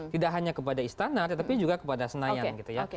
tidak hanya kepada istana tetapi juga kepada senayan gitu ya